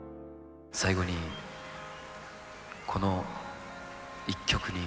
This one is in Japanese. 最後にこの一曲に。